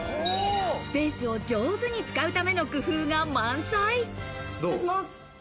スペースを上手に使うための工夫が満載。